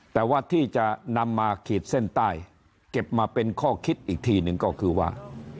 แต่ว่าที่จะนำมาขีดเส้นใต้เก็บมาเป็นข้อคิดอีกทีหนึ่งก็คือว่า